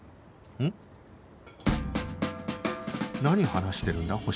何話してるんだ？